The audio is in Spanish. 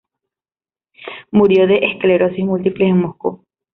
Murió de esclerosis múltiple en Moscú.